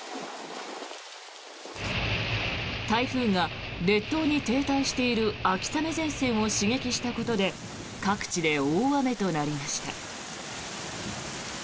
台風が列島に停滞している秋雨前線を刺激したことで各地で大雨となりました。